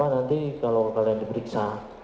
nanti kalau kalian diperiksa